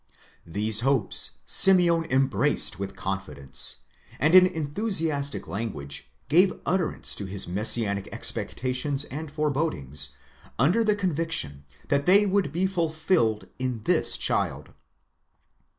These hopes Simeon embraced with confidence, and in enthusiastic language gave utterance to his messianic expectations and forebodings, under the con viction that they would be fulfilled in this child.